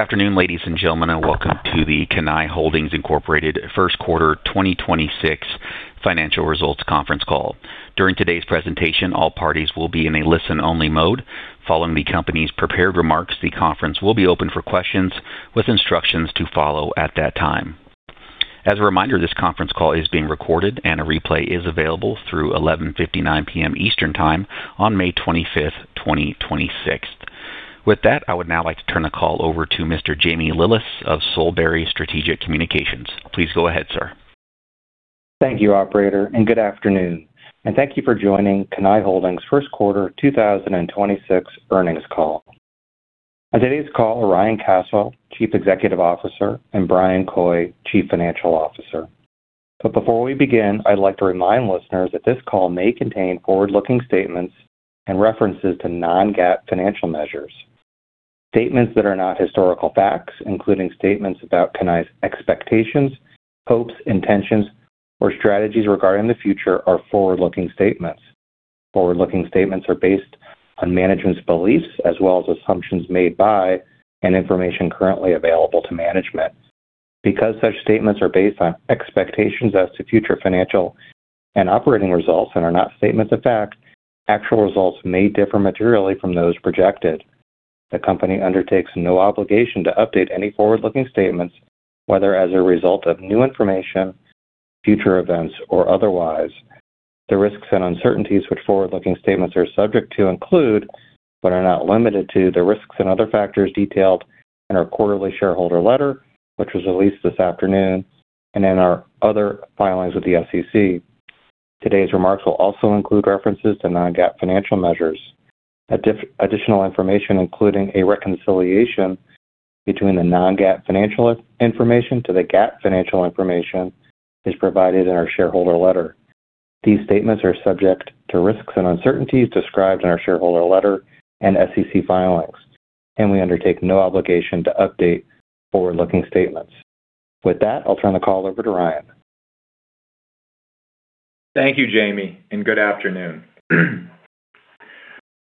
Good afternoon, ladies and gentlemen, and welcome to the Cannae Holdings, Inc. First Quarter 2026 Financial Results Conference Call. During today's presentation, all parties will be in a listen-only mode. Following the company's prepared remarks, the conference will be open for questions with instructions to follow at that time. As a reminder, this conference call is being recorded, and a replay is available through 11:59 P.M. Eastern Time on May 25th, 2026. With that, I would now like to turn the call over to Mr. Jamie Lillis of Solebury Strategic Communications. Please go ahead, sir. Thank you, operator, and good afternoon. Thank you for joining Cannae Holdings first quarter 2026 earnings call. On today's call are Ryan Caswell, Chief Executive Officer, and Bryan Coy, Chief Financial Officer. Before we begin, I'd like to remind listeners that this call may contain forward-looking statements and references to non-GAAP financial measures. Statements that are not historical facts, including statements about Cannae's expectations, hopes, intentions, or strategies regarding the future are forward-looking statements. Forward-looking statements are based on management's beliefs as well as assumptions made by and information currently available to management. Because such statements are based on expectations as to future financial and operating results and are not statements of fact, actual results may differ materially from those projected. The company undertakes no obligation to update any forward-looking statements, whether as a result of new information, future events, or otherwise. The risks and uncertainties which forward-looking statements are subject to include, but are not limited to, the risks and other factors detailed in our quarterly Shareholder Letter, which was released this afternoon, and in our other filings with the SEC. Today's remarks will also include references to non-GAAP financial measures. Additional information, including a reconciliation between the non-GAAP financial information to the GAAP financial information, is provided in our Shareholder Letter. These statements are subject to risks and uncertainties described in our Shareholder Letter and SEC filings, and we undertake no obligation to update forward-looking statements. With that, I'll turn the call over to Ryan. Thank you, Jamie. Good afternoon.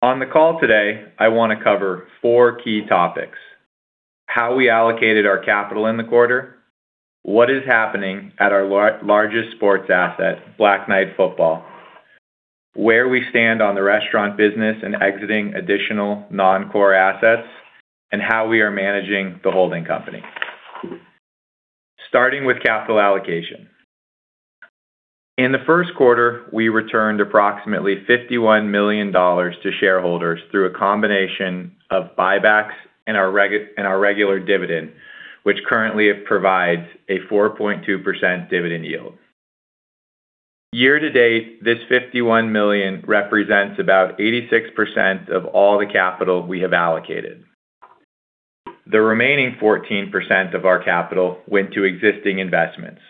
On the call today, I want to cover four key topics: how we allocated our capital in the quarter, what is happening at our largest sports asset, Black Knight Football, where we stand on the restaurant business and exiting additional non-core assets, and how we are managing the holding company. Starting with capital allocation. In the first quarter, we returned approximately $51 million to shareholders through a combination of buybacks and our regular dividend, which currently provides a 4.2% dividend yield. Year-to-date, this $51 million represents about 86% of all the capital we have allocated. The remaining 14% of our capital went to existing investments.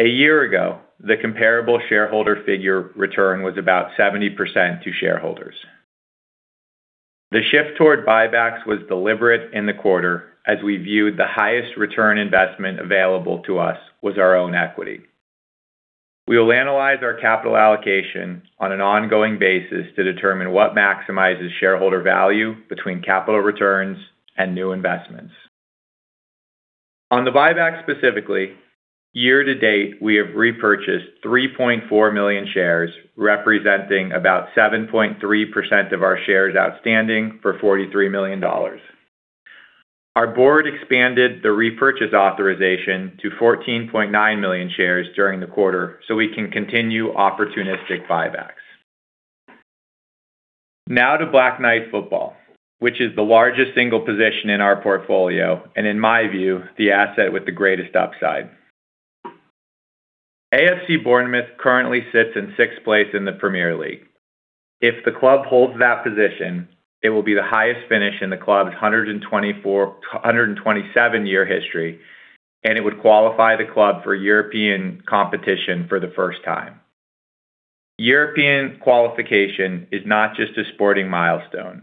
A year ago, the comparable shareholder figure return was about 70% to shareholders. The shift toward buybacks was deliberate in the quarter as we viewed the highest return investment available to us was our own equity. We will analyze our capital allocation on an ongoing basis to determine what maximizes shareholder value between capital returns and new investments. On the buyback specifically, year-to-date, we have repurchased 3.4 million shares, representing about 7.3% of our shares outstanding for $43 million. Our board expanded the repurchase authorization to 14.9 million shares during the quarter so we can continue opportunistic buybacks. Now to Black Knight Football, which is the largest single position in our portfolio and in my view, the asset with the greatest upside. AFC Bournemouth currently sits in sixth place in the Premier League. If the club holds that position, it will be the highest finish in the club's 127 year history, and it would qualify the club for European competition for the first time. European qualification is not just a sporting milestone.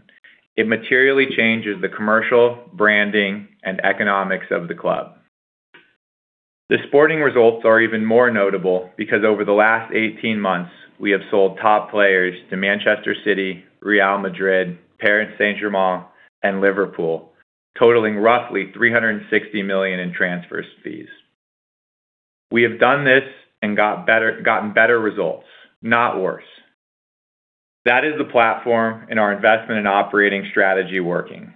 It materially changes the commercial, branding, and economics of the club. The sporting results are even more notable because over the last 18 months, we have sold top players to Manchester City, Real Madrid, Paris Saint-Germain, and Liverpool, totaling roughly $360 million in transfer fees. We have done this and gotten better results, not worse. That is the platform in our investment and operating strategy working.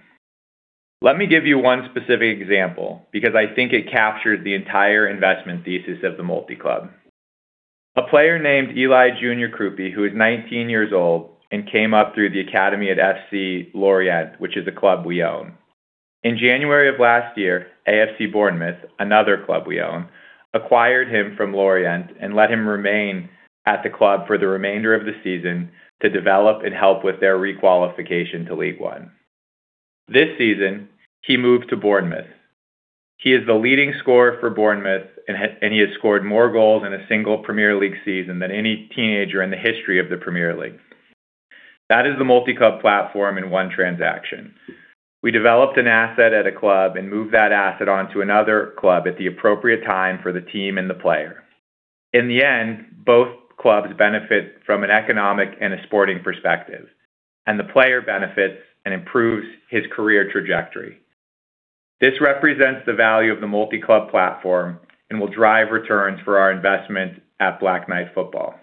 Let me give you one specific example because I think it captures the entire investment thesis of the multi-club. A player named Eli Junior Kroupi, who is 19 years old and came up through the academy at FC Lorient, which is a club we own. In January of last year, AFC Bournemouth, another club we own, acquired him from Lorient and let him remain at the club for the remainder of the season to develop and help with their requalification to Ligue 1. This season, he moved to Bournemouth. He is the leading scorer for Bournemouth, and he has scored more goals in a single Premier League season than any teenager in the history of the Premier League. That is the multi-club platform in one transaction. We developed an asset at a club and moved that asset onto another club at the appropriate time for the team and the player. In the end, both clubs benefit from an economic and a sporting perspective, and the player benefits and improves his career trajectory. This represents the value of the multi-club platform and will drive returns for our investment at Black Knight Football.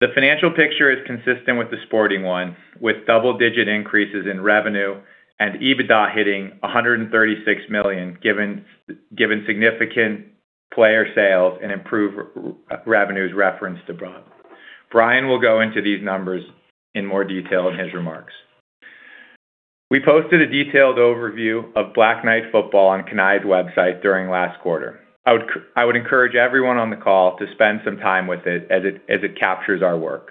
The financial picture is consistent with the sporting one, with double-digit increases in revenue and EBITDA hitting $136 million, given significant player sales and improved revenues referenced above. Bryan will go into these numbers in more detail in his remarks. We posted a detailed overview of Black Knight Football on Cannae's website during last quarter. I would encourage everyone on the call to spend some time with it as it captures our work.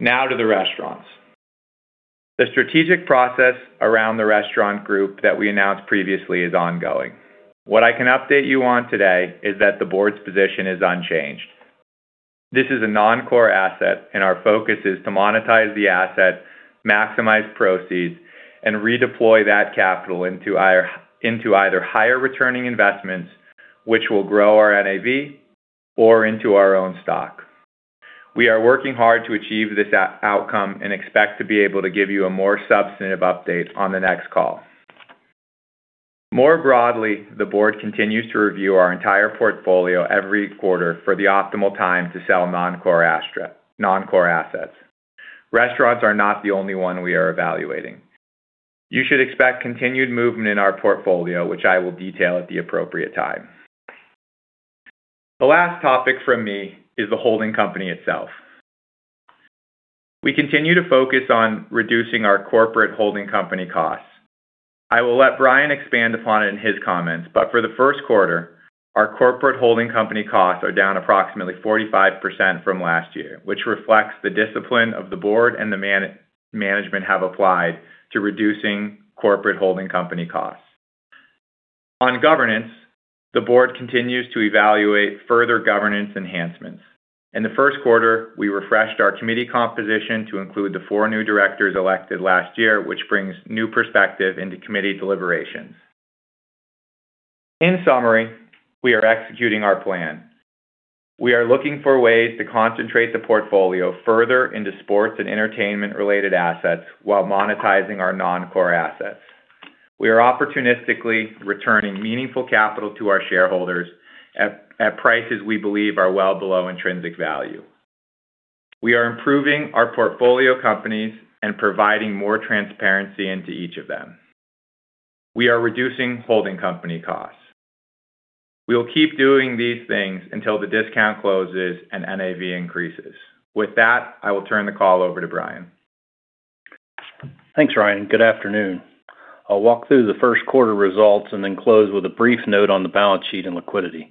Now to the restaurants. The strategic process around the restaurant group that we announced previously is ongoing. What I can update you on today is that the board's position is unchanged. This is a non-core asset, and our focus is to monetize the asset, maximize proceeds, and redeploy that capital into either higher returning investments, which will grow our NAV or into our own stock. We are working hard to achieve this outcome and expect to be able to give you a more substantive update on the next call. More broadly, the board continues to review our entire portfolio every quarter for the optimal time to sell non-core assets. Restaurants are not the only one we are evaluating. You should expect continued movement in our portfolio, which I will detail at the appropriate time. The last topic from me is the holding company itself. We continue to focus on reducing our corporate holding company costs. I will let Bryan expand upon it in his comments, but for the first quarter, our corporate holding company costs are down approximately 45% from last year, which reflects the discipline of the board and the management have applied to reducing corporate holding company costs. On governance, the board continues to evaluate further governance enhancements. In the first quarter, we refreshed our committee composition to include the four new directors elected last year, which brings new perspective into committee deliberations. In summary, we are executing our plan. We are looking for ways to concentrate the portfolio further into sports and entertainment-related assets while monetizing our non-core assets. We are opportunistically returning meaningful capital to our shareholders at prices we believe are well below intrinsic value. We are improving our portfolio companies and providing more transparency into each of them. We are reducing holding company costs. We will keep doing these things until the discount closes and NAV increases. With that, I will turn the call over to Bryan. Thanks, Ryan. Good afternoon. I'll walk through the first quarter results and then close with a brief note on the balance sheet and liquidity.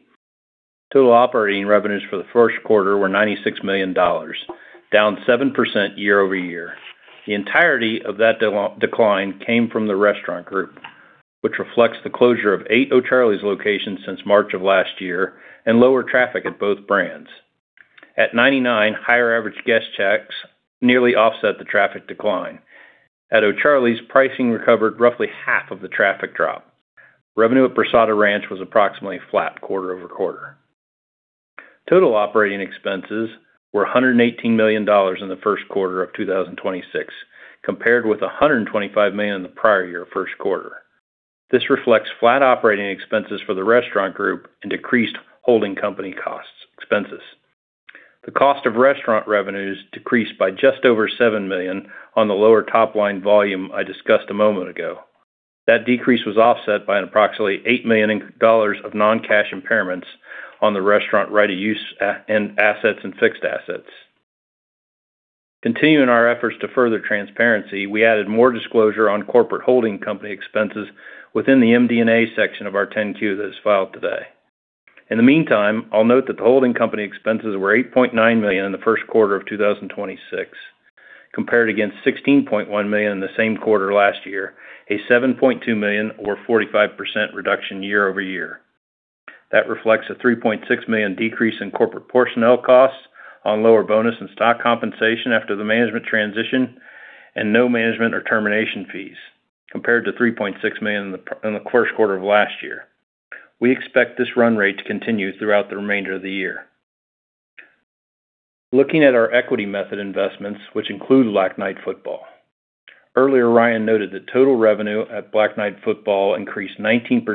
Total operating revenues for the first quarter were $96 million, down 7% year-over-year. The entirety of that decline came from the restaurant group, which reflects the closure of eight O'Charley's locations since March of last year and lower traffic at both brands. At Ninety Nine, higher average guest checks nearly offset the traffic decline. At O'Charley's, pricing recovered roughly half of the traffic drop. Revenue at Brasada Ranch was approximately flat quarter-over-quarter. Total operating expenses were $118 million in the first quarter of 2026, compared with $125 million in the prior year first quarter. This reflects flat operating expenses for the restaurant group and decreased holding company expenses. The cost of restaurant revenues decreased by just over $7 million on the lower top-line volume I discussed a moment ago. That decrease was offset by an approximately $8 million of non-cash impairments on the restaurant right of use and assets and fixed assets. Continuing our efforts to further transparency, we added more disclosure on corporate holding company expenses within the MD&A section of our 10-Q that is filed today. In the meantime, I'll note that the holding company expenses were $8.9 million in the first quarter of 2026, compared against $16.1 million in the same quarter last year, a $7.2 million or 45% reduction year-over-year. That reflects a $3.6 million decrease in corporate personnel costs on lower bonus and stock compensation after the management transition and no management or termination fees, compared to $3.6 million in the first quarter of last year. We expect this run rate to continue throughout the remainder of the year. Looking at our equity method investments, which include Black Knight Football. Earlier, Ryan noted that total revenue at Black Knight Football increased 19%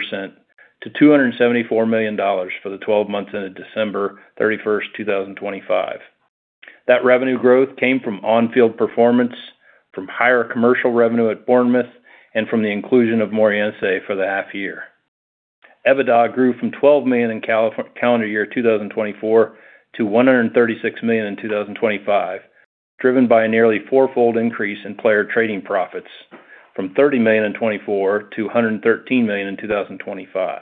to $274 million for the 12 months ended December 31st, 2025. That revenue growth came from on-field performance from higher commercial revenue at Bournemouth and from the inclusion of Moreirense for the half year. EBITDA grew from $12 million in calendar year 2024 to $136 million in 2025, driven by a nearly four-fold increase in player trading profits from $30 million in 2024 to $113 million in 2025.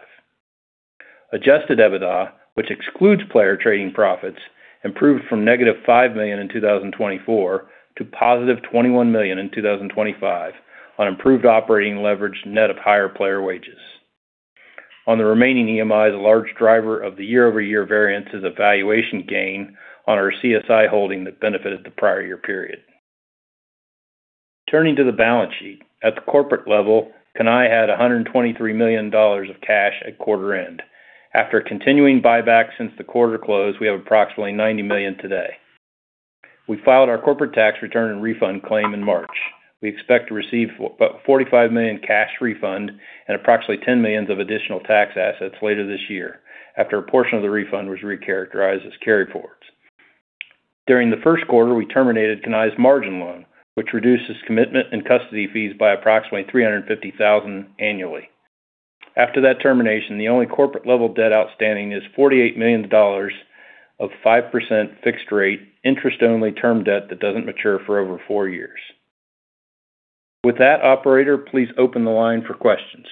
Adjusted EBITDA, which excludes player trading profits, improved from -$5 million in 2024 to +$21 million in 2025 on improved operating leverage net of higher player wages. On the remaining EMIs, a large driver of the year-over-year variance is a valuation gain on our CSI holding that benefited the prior year period. Turning to the balance sheet. At the corporate level, Cannae had $123 million of cash at quarter end. After continuing buyback since the quarter close, we have approximately $90 million today. We filed our corporate tax return and refund claim in March. We expect to receive about $45 million cash refund and approximately $10 million of additional tax assets later this year, after a portion of the refund was recharacterized as carryforwards. During the first quarter, we terminated Cannae's margin loan, which reduces commitment and custody fees by approximately $350,000 annually. After that termination, the only corporate level debt outstanding is $48 million of 5% fixed rate interest-only term debt that doesn't mature for over four years. With that, operator, please open the line for questions.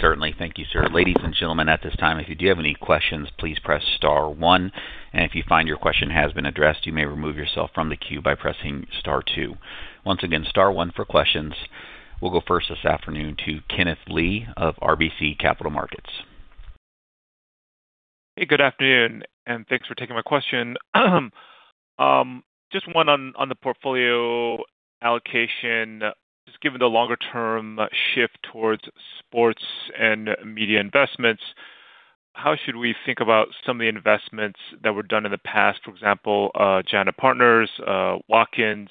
Certainly. Thank you, sir. Ladies and gentlemen, at this time, if you do have any questions, please press star one, and if you find your question has been addressed, you may remove yourself from the queue by pressing star two. Once again, star one for questions. We'll go first this afternoon to Kenneth Lee of RBC Capital Markets. Hey, good afternoon, thanks for taking my question. Just one on the portfolio allocation. Just given the longer term shift towards sports and media investments, how should we think about some of the investments that were done in the past, for example, JANA Partners, Watkins,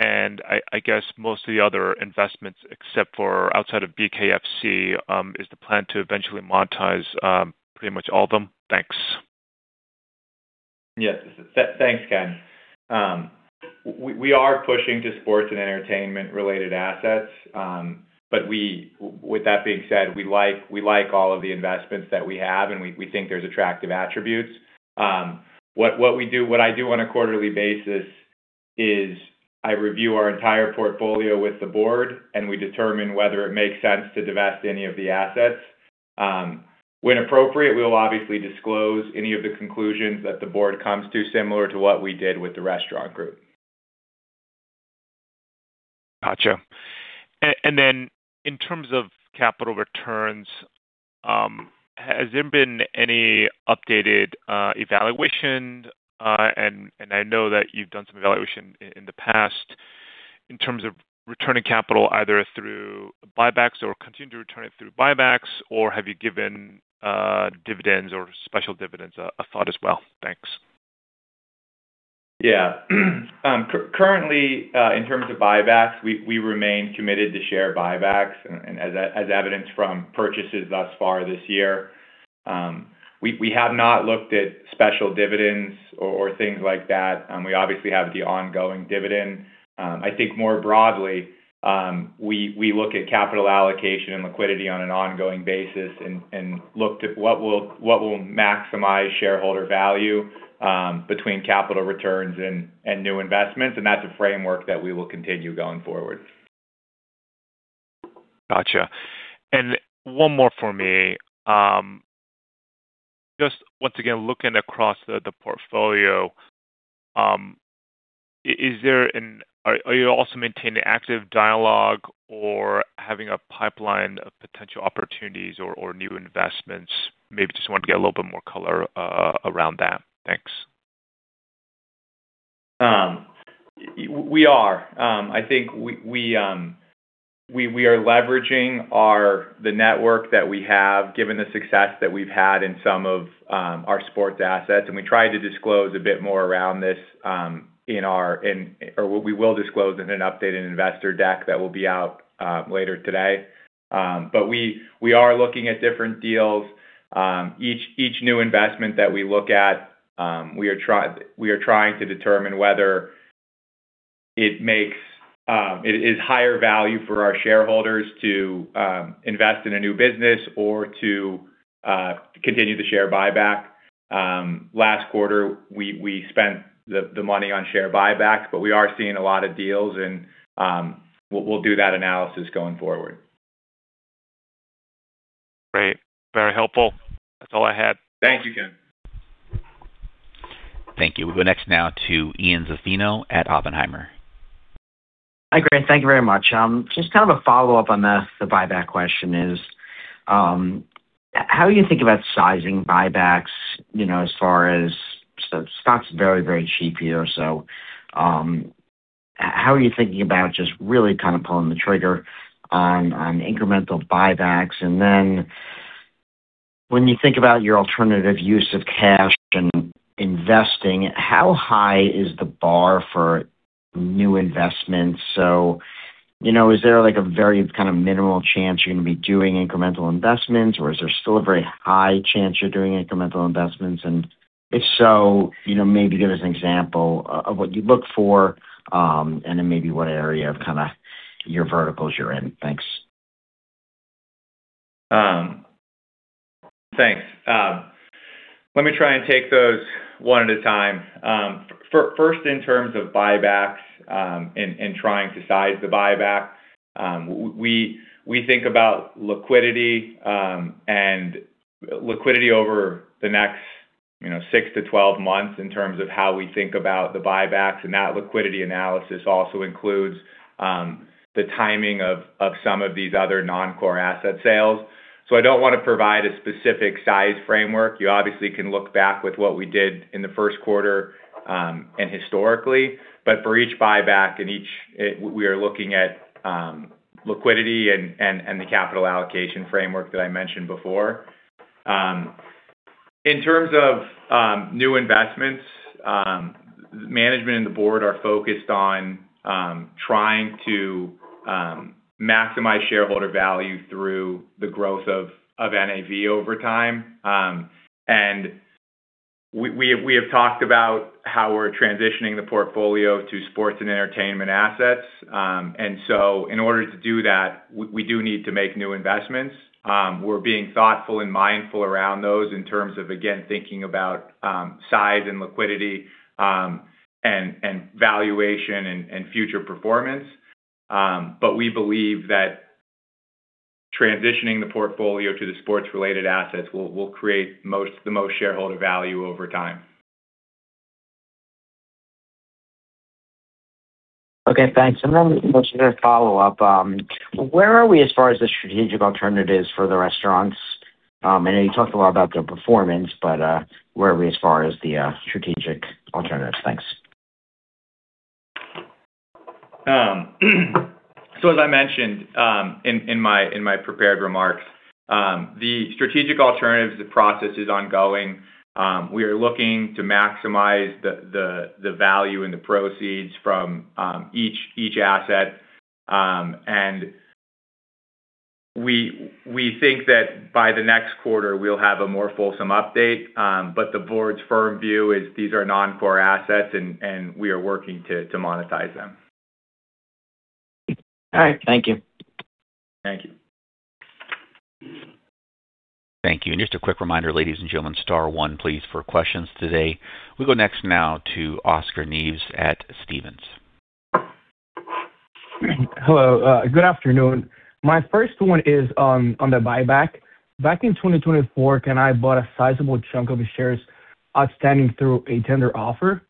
I guess most of the other investments, except for outside of BKFC, is the plan to eventually monetize pretty much all of them? Thanks. Yes. Thanks, Ken. We are pushing to sports and entertainment-related assets, but with that being said, we like all of the investments that we have, and we think there's attractive attributes. What I do on a quarterly basis is I review our entire portfolio with the board, and we determine whether it makes sense to divest any of the assets. When appropriate, we will obviously disclose any of the conclusions that the board comes to, similar to what we did with the restaurant group. Gotcha. In terms of capital returns, has there been any updated evaluation, and I know that you've done some evaluation in the past in terms of returning capital either through buybacks or continue to return it through buybacks, or have you given dividends or special dividends a thought as well? Thanks. Yeah. Currently, in terms of buybacks, we remain committed to share buybacks and as evidence from purchases thus far this year. We have not looked at special dividends or things like that. We obviously have the ongoing dividend. I think more broadly, we look at capital allocation and liquidity on an ongoing basis and look to what will maximize shareholder value between capital returns and new investments. That's a framework that we will continue going forward. Gotcha. One more for me. Just once again, looking across the portfolio, are you also maintaining active dialogue or having a pipeline of potential opportunities or new investments? Maybe just want to get a little bit more color around that. Thanks. We are. I think we are leveraging our the network that we have, given the success that we've had in some of our sports assets, and we try to disclose a bit more around this in our in or we will disclose in an updated investor deck that will be out later today. We are looking at different deals. Each new investment that we look at, we are trying to determine whether it makes it is higher value for our shareholders to invest in a new business or to continue the share buyback. Last quarter, we spent the money on share buyback. We are seeing a lot of deals. We'll do that analysis going forward. Great. Very helpful. That's all I had. Thanks again. Thank you. We'll go next now to Ian Zaffino at Oppenheimer. Hi, Ryan. Thank you very much. Just kind of a follow-up on the buyback question is, how do you think about sizing buybacks, you know, stock's very, very cheap here. How are you thinking about just really kind of pulling the trigger on incremental buybacks? When you think about your alternative use of cash and investing, how high is the bar for new investments? You know, is there like a very kind of minimal chance you're gonna be doing incremental investments, or is there still a very high chance you're doing incremental investments? If so, you know, maybe give us an example of what you look for, maybe what area of kinda your verticals you're in. Thanks. Thanks. Let me try and take those one at a time. First, in terms of buybacks, and trying to size the buyback, we think about liquidity, and liquidity over the next, you know, six to 12 months in terms of how we think about the buybacks, and that liquidity analysis also includes the timing of some of these other non-core asset sales. I don't wanna provide a specific size framework. You obviously can look back with what we did in the 1st quarter and historically. For each buyback and each, we are looking at liquidity and the capital allocation framework that I mentioned before. In terms of new investments, management and the board are focused on trying to maximize shareholder value through the growth of NAV over time. We have talked about how we're transitioning the portfolio to sports and entertainment assets. In order to do that, we do need to make new investments. We're being thoughtful and mindful around those in terms of, again, thinking about size and liquidity, and valuation and future performance. We believe that transitioning the portfolio to the sports-related assets will create the most shareholder value over time. Okay, thanks. Just a follow-up. Where are we as far as the strategic alternatives for the restaurants? You talked a lot about their performance, where are we as far as the strategic alternatives? Thanks. As I mentioned, in my prepared remarks, the strategic alternatives, the process is ongoing. We are looking to maximize the value and the proceeds from each asset. We think that by the next quarter, we'll have a more fulsome update. The board's firm view is these are non-core assets, and we are working to monetize them. All right, thank you. Thank you. Thank you. Just a quick reminder, ladies and gentlemen, star one, please, for questions today. We go next now to Oscar Nieves at Stephens. Hello, good afternoon. My first one is on the buyback. Back in 2024, Cannae bought a sizable chunk of shares outstanding through a tender offer.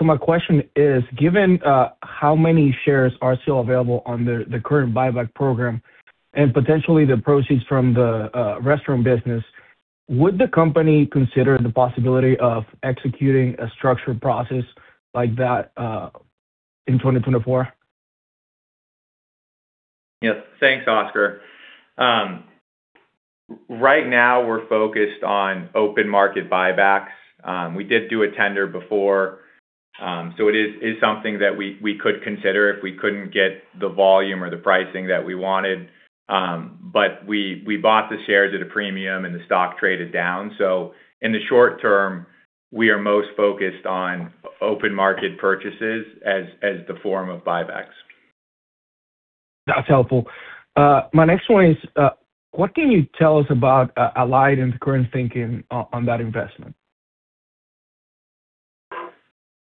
My question is, given how many shares are still available under the current buyback program and potentially the proceeds from the restaurant business, would the company consider the possibility of executing a structured process like that in 2024? Yes. Thanks, Oscar. Right now we're focused on open market buybacks. We did do a tender before, so it is something that we could consider if we couldn't get the volume or the pricing that we wanted. We bought the shares at a premium and the stock traded down. In the short term, we are most focused on open market purchases as the form of buybacks. That's helpful. My next one is, what can you tell us about Alight and the current thinking on that investment?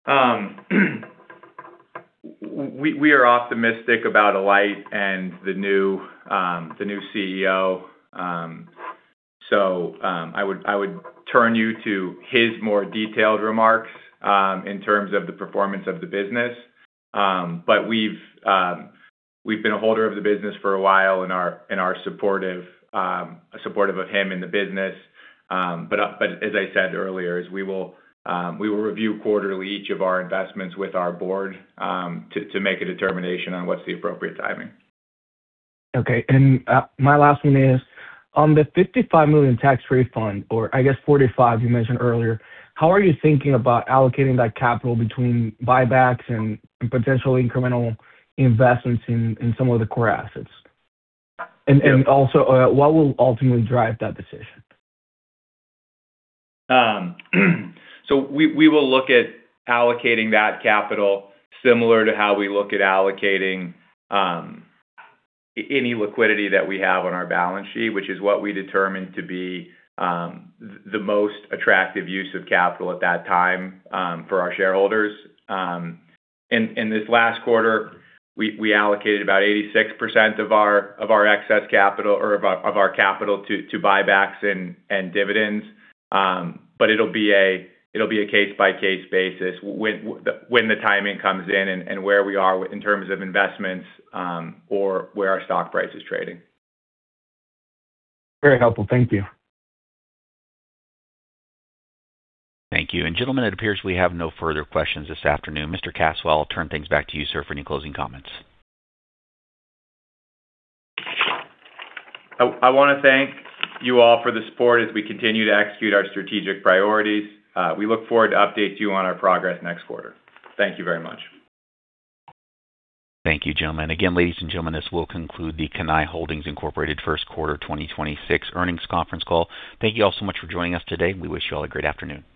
We are optimistic about Alight and the new, the new CEO. I would turn you to his more detailed remarks in terms of the performance of the business. We've been a holder of the business for a while and are supportive of him and the business. As I said earlier, is we will, we will review quarterly each of our investments with our board to make a determination on what's the appropriate timing. Okay. My last one is, on the $55 million tax refund, or I guess $45 million you mentioned earlier, how are you thinking about allocating that capital between buybacks and potential incremental investments in some of the core assets? Also, what will ultimately drive that decision? We will look at allocating that capital similar to how we look at allocating any liquidity that we have on our balance sheet, which is what we determine to be the most attractive use of capital at that time for our shareholders. In this last quarter, we allocated about 86% of our excess capital or of our capital to buybacks and dividends. It'll be a case-by-case basis when the timing comes in and where we are in terms of investments or where our stock price is trading. Very helpful. Thank you. Thank you. Gentlemen, it appears we have no further questions this afternoon. Mr. Caswell, I'll turn things back to you, sir, for any closing comments. I wanna thank you all for the support as we continue to execute our strategic priorities. We look forward to update you on our progress next quarter. Thank you very much. Thank you, gentlemen. Again, ladies and gentlemen, this will conclude the Cannae Holdings, Inc. First Quarter 2026 Earnings Conference Call. Thank you all so much for joining us today. We wish you all a great afternoon. Goodbye.